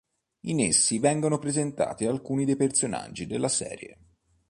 In essi vengono presentati alcuni dei personaggi della serie.